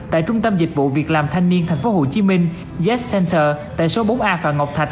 tại trung tâm dịch vụ việc làm thanh niên tp hcm tại số bốn a phạm ngọc thạch